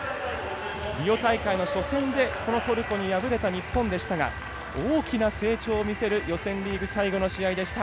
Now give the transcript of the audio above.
リオ大会の初戦で、このトルコに敗れた日本でしたが大きな成長を見せる予選リーグ最後の試合でした。